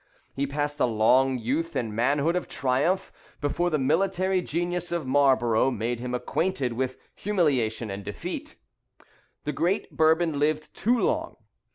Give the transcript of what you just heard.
He passed a long youth and manhood of triumph, before the military genius of Marlborough made him acquainted with humiliation and defeat. The great Bourbon lived too long.